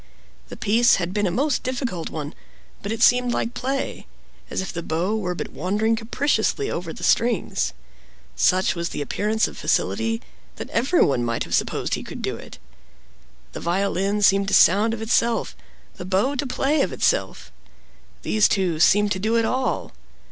The piece had been a most difficult one; but it seemed like play—as if the bow were but wandering capriciously over the strings. Such was the appearance of facility, that everyone might have supposed he could do it. The violin seemed to sound of itself, the bow to play of itself. These two seemed to do it all.